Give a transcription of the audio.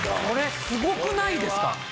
これすごくないですか？